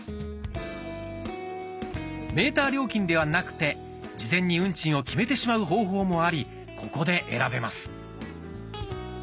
メーター料金ではなくて事前に運賃を決めてしまう方法もありここで選べます。